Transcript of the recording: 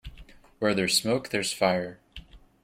Where there's smoke there's fire.